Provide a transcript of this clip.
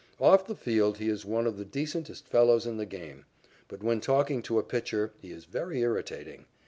Off the field he is one of the decentest fellows in the game, but, when talking to a pitcher, he is very irritating.